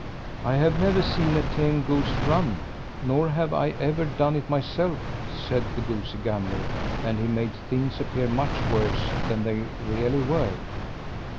"I have never seen a tame goose run, nor have I ever done it myself," said the goosey gander; and he made things appear much worse than they really were.